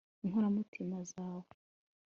inkoramutima zawe